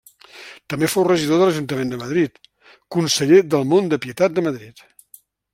També fou regidor de l'ajuntament de Madrid, conseller del Mont de Pietat de Madrid.